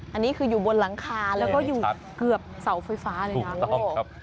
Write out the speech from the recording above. อันนี้คืออยู่บนหลังคาแล้วก็อยู่เกือบเสาไฟฟ้าเลยนะ